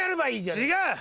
違う！